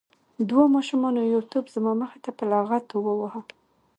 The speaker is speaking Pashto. دوو ماشومانو یو توپ زما مخې ته په لغتو وواهه.